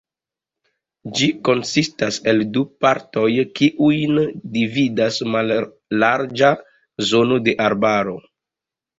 Ĝi konsistas el du partoj kiujn dividas mallarĝa zono de arbaro.